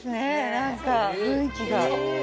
何か雰囲気が。